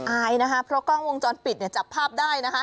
อายนะคะเพราะกล้องวงจรปิดเนี่ยจับภาพได้นะคะ